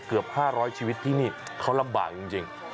เกือบ๕๐๐ชีวิตที่นี่เขาลำบากจริง